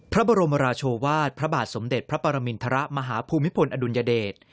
พระบรมราชวาสพระบาทสมเด็จพระปรมินทรมาฮภูมิพลอดุลยเดช